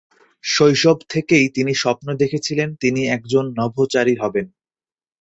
শৈশব থেকেই তিনি স্বপ্ন দেখেছিলেন তিনি একজন নভোচারী হবেন।